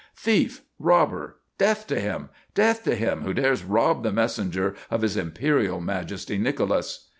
"Thief! Robber! Death to him! Death to him who dares rob the messenger of His Imperial Majesty, Nicholas!"